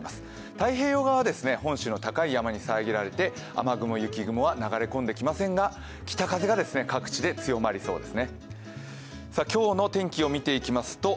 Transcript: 太平洋側は本州の高い山に遮られて雨雲、雪雲は流れ込んできませんが北風が各地で強まりそうです。